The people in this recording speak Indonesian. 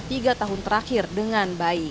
tiga tahun terakhir dengan bayi